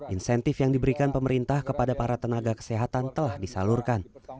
insentif yang diberikan pemerintah kepada para tenaga kesehatan telah disalurkan